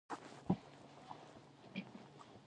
دځنګل حاصلات د افغانستان د جغرافیایي موقیعت پایله ده.